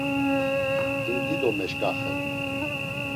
Him dido meşǩaxen.